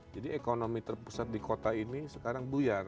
jadi ekonomi terpusat di kota ini sekarang buyar